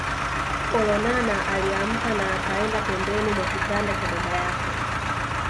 Olonana aliamka na akaenda pembeni mwa kitanda cha baba yake